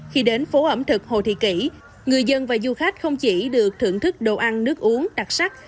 khi đến phố ẩm thực hồ thị kỷ người dân và du khách không chỉ được thưởng thức đồ ăn nước uống đặc sắc